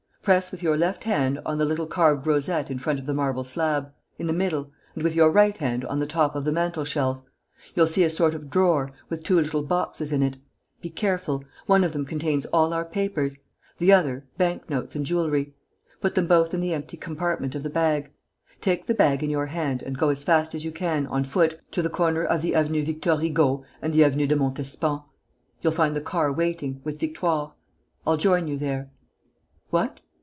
Press with your left hand on the little carved rosette in front of the marble slab, in the middle, and with your right hand on the top of the mantel shelf. You'll see a sort of drawer, with two little boxes in it. Be careful. One of them contains all our papers; the other, bank notes and jewellery. Put them both in the empty compartment of the bag. Take the bag in your hand and go as fast as you can, on foot, to the corner of the Avenue Victor Hugo and the Avenue de Montespan. You'll find the car waiting, with Victoire. I'll join you there.... What?...